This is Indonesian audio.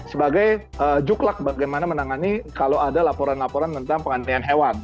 sebagai juklak bagaimana menangani kalau ada laporan laporan tentang pengantian hewan